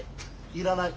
いらない。